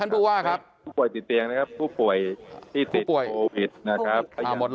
ผู้ป่วยติดเตียงผู้ป่วยที่ติดโปรวิด